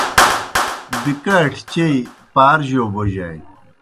بکاٹِیْ چئیی پار جوْ بوجانیْ۔